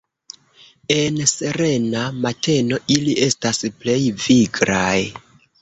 En serena mateno ili estas plej viglaj.